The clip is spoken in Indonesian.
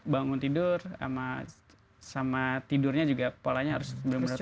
bangun tidur sama tidurnya juga polanya harus lebih menurut saya